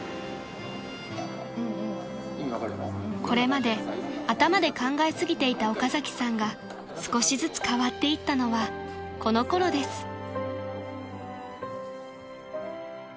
［これまで頭で考えすぎていた岡崎さんが少しずつ変わっていったのはこのころです］